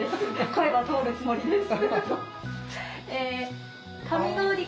声は通るつもりです。